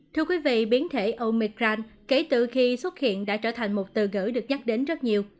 thưa quý vị biến thể omicran kể từ khi xuất hiện đã trở thành một từ ngữ được nhắc đến rất nhiều